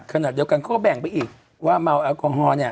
ขณะเดียวกันเขาก็แบ่งไปอีกว่าเมาแอลกอฮอล์เนี่ย